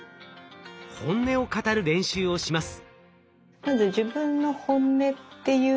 本音を語る練習をします。